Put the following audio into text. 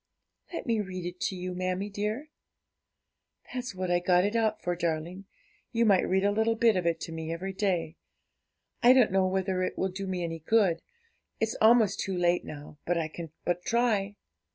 'Let me read it to you, mammie dear.' 'That's what I got it out for, darling; you might read a bit of it to me every day; I don't know whether it will do me any good, it's almost too late now, but I can but try.'